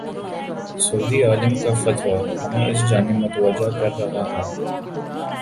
سعودی عالم کا فتوی ہمیں اس جانب متوجہ کر رہا ہے۔